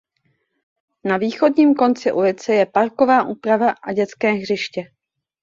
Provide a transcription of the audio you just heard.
Na východním konci ulice je parková úprava a dětské hřiště.